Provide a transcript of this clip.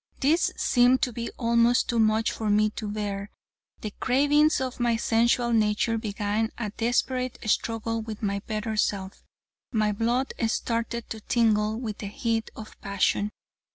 This seemed to be almost too much for me to bear; the cravings of my sensual nature began a desperate struggle with my better self. My blood started to tingle with the heat of passion.